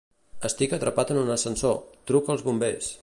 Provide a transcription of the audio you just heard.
Estic atrapat en un ascensor; truca els bombers.